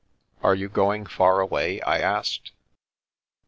Are you going far away ?" I asked.